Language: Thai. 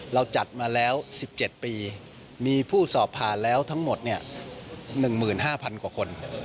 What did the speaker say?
เราจัดมาแล้ว๑๗ปีมีผู้สอบผ่านแล้วทั้งหมด๑๕๐๐กว่าคน